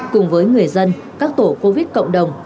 cùng với người dân các tổ covid cộng đồng